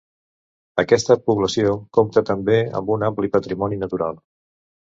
Aquesta població compta també amb un ampli patrimoni natural.